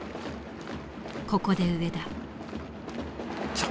ここで上田。